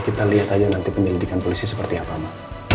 ya kita lihat saja nanti penyelidikan polisi seperti apa ma